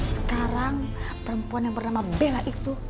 sekarang perempuan yang bernama bella itu